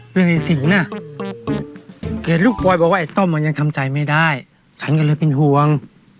เกลียดลูกบอยบอกว่าไอ้ต้มมันยังทำใจไม่ได้ฉันก็เลยเป็นห่วง